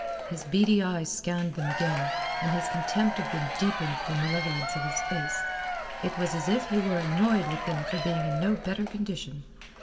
His beady eyes scanned them again, and his contempt of them deepened the malevolence of his face. It was as if he were annoyed with them for being in no better condition.